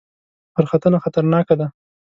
غرختنه خطرناکه ده؟